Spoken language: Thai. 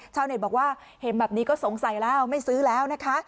เน็ตบอกว่าเห็นแบบนี้ก็สงสัยแล้วไม่ซื้อแล้วนะคะ